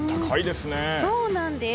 そうなんです。